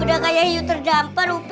udah kaya hiu terdampar upi